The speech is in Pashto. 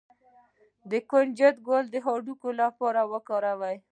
د کنجد ګل د هډوکو لپاره وکاروئ